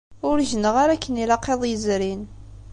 Ur gneɣ ara akken ilaq iḍ yezrin.